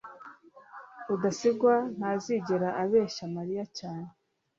rudasingwa ntazigera abeshya mariya cyane